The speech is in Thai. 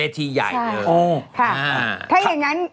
ถ้าอย่างนั้น